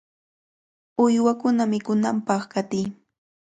¡Uywakunata mikunanpaq qatiy!